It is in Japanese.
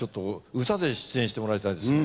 歌で出演してもらいたいですね。